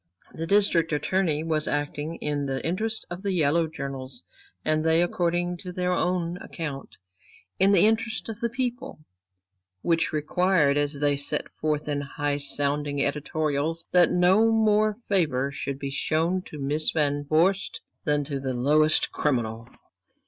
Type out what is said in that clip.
The District Attorney was acting in the interests of the yellow journals and they, according to their own account, in the interests of the people, which required, as they set forth in high sounding editorials, that no more favor should be shown to Miss Van Vorst than to the lowest criminal.